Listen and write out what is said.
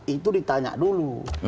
itu ditanya dulu